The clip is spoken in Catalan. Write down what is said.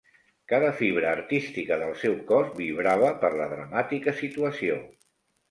Cada fibra artística del seu cos vibrava per la dramàtica situació.